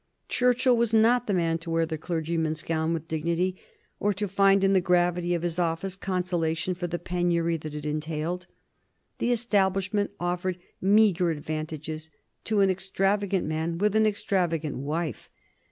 Churchill was not the man to wear the clergyman's gown with dignity, or to find in the gravity of his office consolation for the penury that it entailed. The Establishment offered meagre advantages to an extravagant man with an extravagant wife.